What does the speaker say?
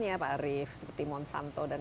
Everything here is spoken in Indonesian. ya pak arief seperti monsanto dan